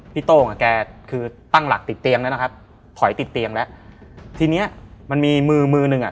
โต้งอ่ะแกคือตั้งหลักติดเตียงแล้วนะครับถอยติดเตียงแล้วทีเนี้ยมันมีมือมือหนึ่งอ่ะ